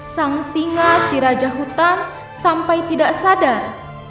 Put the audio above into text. sang singa si raja hutan sampai tidak sadar